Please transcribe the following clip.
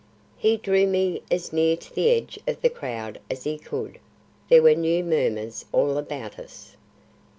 He drew me as near to the edge of the crowd as he could. There were new murmurs all about us.